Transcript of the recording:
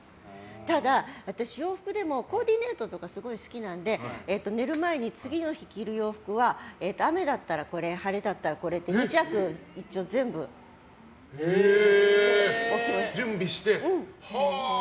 ただ私、洋服でもコーディネートとかすごい好きなので寝る前に、次の日着る洋服は雨だったらこれ晴れだったらこれって２着、一応置いておきます。